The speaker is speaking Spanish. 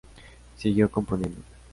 Siguió componiendo.